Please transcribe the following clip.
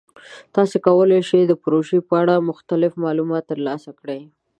تاسو کولی شئ د پروژې په اړه مختلف معلومات ترلاسه کړئ.